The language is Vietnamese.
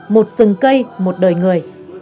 một sừng cây một đời người